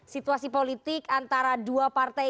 situasi politik antara dua partai